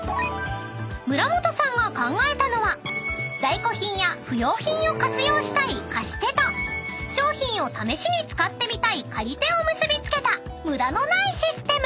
［村本さんが考えたのは在庫品や不用品を活用したい貸し手と商品を試しに使ってみたい借り手を結び付けた無駄のないシステム］